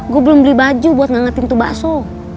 gue belum beli baju buat ngangetin tuh bakso